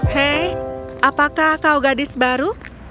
hey apakah kau gadis baru